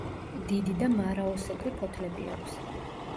დიდი და მარაოსებრი ფოთლები აქვს.